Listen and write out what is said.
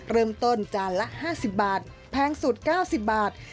เริ่มต้นจานละ๕๐บาทแพงสุด๙๐บาท